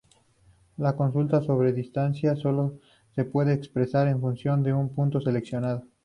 Las consultas sobre distancia solo se pueden expresar en función de un punto seleccionado.